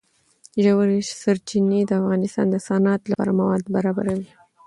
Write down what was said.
ژورې سرچینې د افغانستان د صنعت لپاره مواد برابروي.